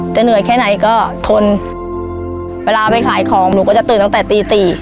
เหนื่อยแค่ไหนก็ทนเวลาไปขายของหนูก็จะตื่นตั้งแต่ตีสี่